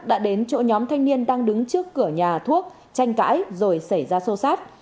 đã đến chỗ nhóm thanh niên đang đứng trước cửa nhà thuốc tranh cãi rồi xảy ra sâu sát